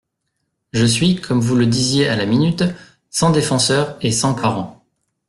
Je suis, comme vous le disiez à la minute, sans défenseur et sans parents.